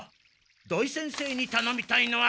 土井先生にたのみたいのは。